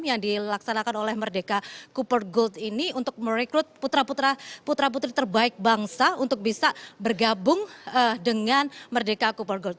yang dilaksanakan oleh merdeka cooper gold ini untuk merekrut putra putra putra putri terbaik bangsa untuk bisa bergabung dengan merdeka cooper gold